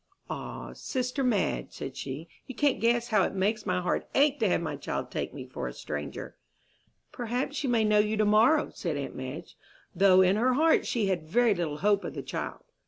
"Ah, sister Madge," said she, "you can't guess how it makes my heart ache to have my child take me for a stranger." "Perhaps she may know you to morrow," said aunt Madge; though in her heart she had very little hope of the child.